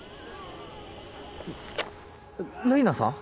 レイナさん？